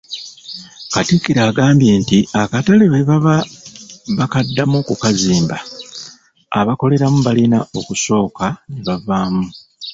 Katikkiro agambye nti akatale bwe baba bakaddamu okukazimba, abakoleramu balina okusooka ne bavaamu.